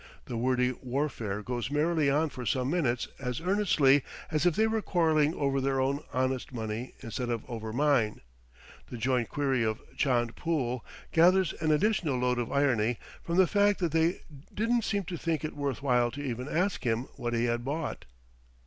The wordy warfare goes merrily on for some minutes as earnestly as if they were quarrelling over their own honest money instead of over mine. The joint query of "chand pool?" gathers an additional load of irony from the fact that they didn't seem to think it worth while to even ask him what he had bought.